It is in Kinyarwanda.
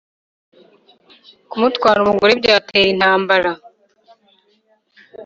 kumutwara umugore byatera intambara